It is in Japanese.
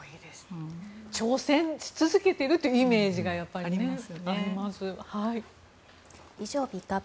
挑戦し続けているというイメージがあります。